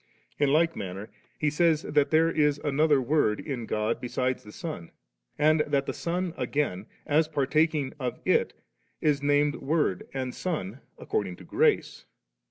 In like manner, he sa3rs, that there is another Word in God besides the Son, and that the Son again, as partaking of it, b named Word and Son according to grace.